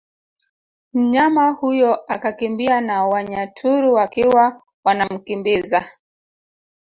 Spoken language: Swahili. Mnyama huyo akakimbia na Wanyaturu wakiwa wanamkimbiza